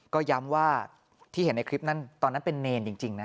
ก็ย้ำว่าที่เห็นในคลิปนั้นตอนนั้นเป็นเนรจริงนะ